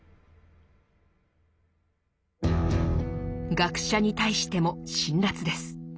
学者に対しても辛辣です。